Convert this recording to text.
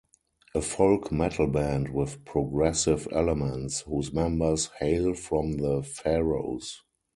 A folk metal band with progressive elements, whose members hail from the Faroes.